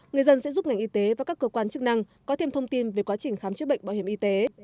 người dân sẽ giúp ngành y tế và các cơ quan chức năng có thêm thông tin về quá trình khám chữa bệnh bảo hiểm y tế